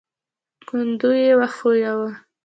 کندو يې وښوياوه.